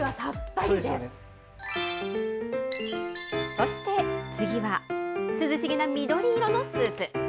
そして次は、涼しげな緑色のスープ。